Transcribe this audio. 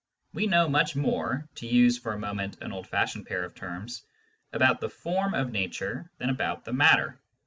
We know much more (to use, for a moment, an old fashioned pair of terms) about the form of nature than about the matter.